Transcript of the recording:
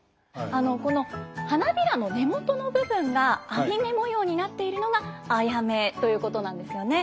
この花びらの根元の部分が網目模様になっているのがアヤメということなんですよね。